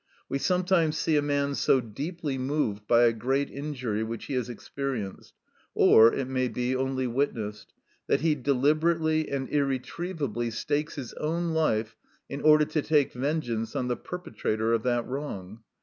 We sometimes see a man so deeply moved by a great injury which he has experienced, or, it may be, only witnessed, that he deliberately and irretrievably stakes his own life in order to take vengeance on the perpetrator of that wrong.